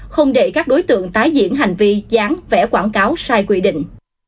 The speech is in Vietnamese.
không để các đối tượng tái diễn hành vi dán vẽ quảng cáo sai quy định